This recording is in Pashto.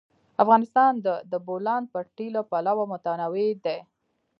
افغانستان د د بولان پټي له پلوه متنوع دی.